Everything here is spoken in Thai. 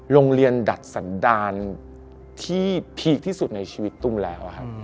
โรงเรียนดัดสันดารที่พีคที่สุดในชีวิตตุ้มแล้วครับ